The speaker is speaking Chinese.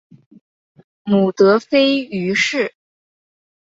母德妃俞氏。